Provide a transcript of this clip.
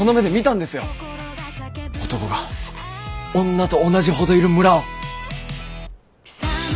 男が女と同じほどいる村を！